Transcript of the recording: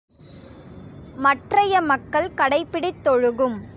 மற்றைய மக்கள் கடைப்பிடித்தொழுகும்.